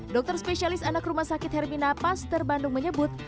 dokter spesialis anak rumah sakit hermina paster bandung menyebut